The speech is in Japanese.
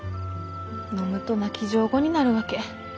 飲むと泣き上戸になるわけ。